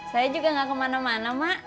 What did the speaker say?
saya juga gak kemana mana mak